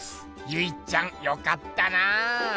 ゆいっちゃんよかったな。